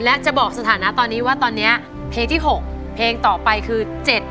และจะบอกสถานะตอนนี้ว่าตอนนี้เพลงที่๖เพลงต่อไปคือ